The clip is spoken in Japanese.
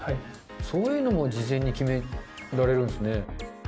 そういうのも事前に決められるんですね。